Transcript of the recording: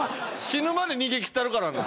死ぬまで逃げ切ったるからな。